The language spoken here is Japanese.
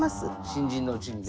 新人のうちにね。